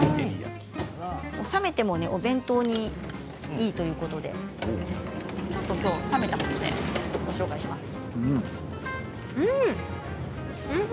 冷めてもお弁当にいいということできょうは、ちょっと冷めたものでご紹介しています。